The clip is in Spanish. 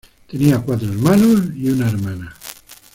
Tenía cuatro hermanos, y una hermana.